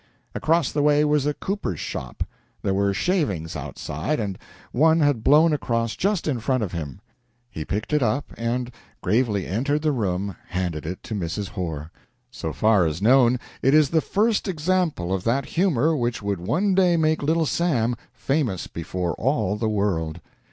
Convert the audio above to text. Across the way was a cooper's shop. There were shavings outside, and one had blown across just in front of him. He picked it up, and, gravely entering the room, handed it to Mrs. Horr. So far as known, it is the first example of that humor which would one day make Little Sam famous before all the world.